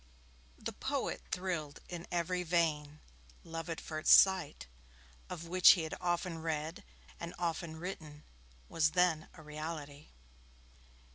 The poet thrilled in every vein. 'Love at first sight', of which he had often read and often written, was then a reality!